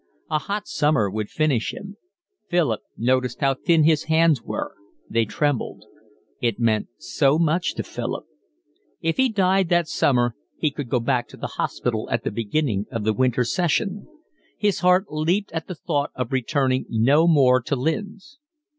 A hot summer would finish him; Philip noticed how thin his hands were; they trembled. It meant so much to Philip. If he died that summer he could go back to the hospital at the beginning of the winter session; his heart leaped at the thought of returning no more to Lynn's.